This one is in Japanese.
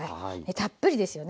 たっぷりですよね。